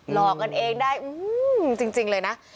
หลอกกันเองได้จริงเลยนะ